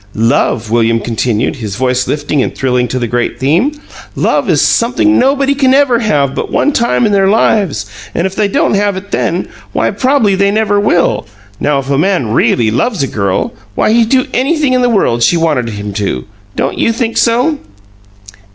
"Love," William continued, his voice lifting and thrilling to the great theme "love is something nobody can ever have but one time in their lives, and if they don't have it then, why prob'ly they never will. Now, if a man REALLY loves a girl, why he'd do anything in the world she wanted him to. Don't YOU think so?"